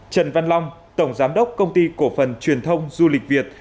trần văn long tổng giám đốc công ty cổ phần truyền thông du lịch việt